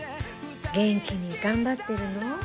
元気に頑張ってるの？